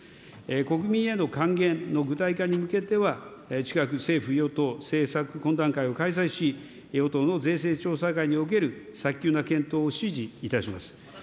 国民への還元の具体化に向けては、近く政府与党政策懇談会を開催し、与党の税制調査会における早急な検討を指示いたします。